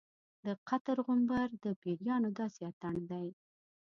د قطر غومبر د پیریانو داسې اتڼ دی.